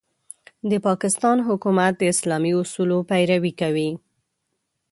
د پاکستان حکومت د اسلامي اصولو پيروي کوي.